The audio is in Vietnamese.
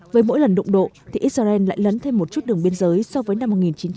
với mỗi lần đụng độ thì israel lại lấn thêm một chút đường biên giới so với năm một nghìn chín trăm chín mươi